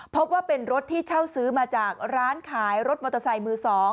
พบว่าเป็นรถที่เช่าซื้อมาจากร้านขายรถมอเตอร์ไซค์มือ๒